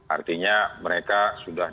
artinya mereka sudah